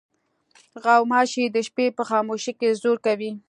غوماشې د شپې په خاموشۍ کې زور کوي.